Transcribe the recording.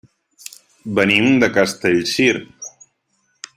Venim de Castellcir.